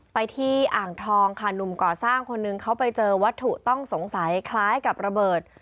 ไปที่อ่างทองค่ะหนุ่มก่อสร้างคนหนึ่งเขาไปเจอวัตถุต้องสงสัยคล้ายกับระเบิด